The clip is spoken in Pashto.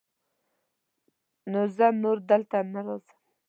نو زه نور دلته نه راځم.